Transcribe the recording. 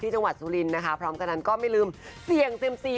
ที่จังหวัดซุรินพร้อมกันก็ไม่ลืมเศี่ยงเซมซี